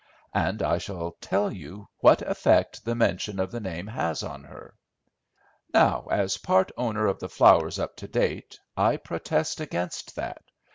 and I shall tell you what effect the mention of the name has on her." "Now, as part owner in the flowers up to date, I protest against that.